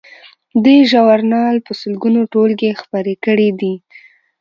دې ژورنال په سلګونو ټولګې خپرې کړې دي.